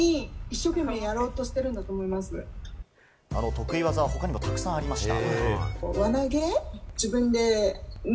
得意技は他にもたくさんありまして。